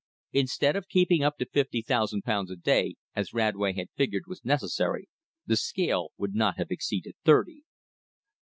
Instead of keeping up to fifty thousand a day, as Radway had figured was necessary, the scale would not have exceeded thirty.